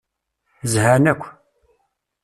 Zhan akk.